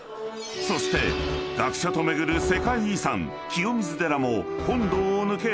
［そして学者と巡る世界遺産清水寺も本堂を抜け